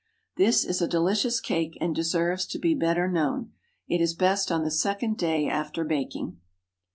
This is a delicious cake, and deserves to be better known. It is best on the second day after baking.